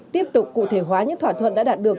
tiếp tục cụ thể hóa những thỏa thuận đã đạt được